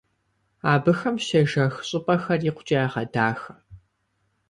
Абыхэм щежэх щӀыпӀэхэр икъукӀэ ягъэдахэ.